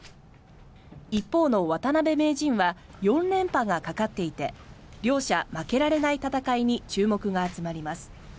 一方の渡辺名人は４連覇がかかっていて両者負けられない戦いに注目が集まります。